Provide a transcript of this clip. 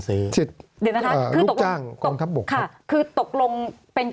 สวัสดีครับทุกคน